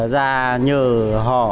ra nhờ họ